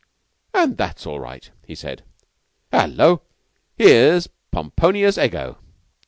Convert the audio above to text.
"And that's all right," he said. "Hullo! 'Ere's Pomponius Ego!"